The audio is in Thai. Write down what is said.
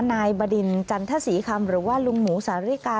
นายบดินจันทศรีคำหรือว่าลุงหมูสาริกา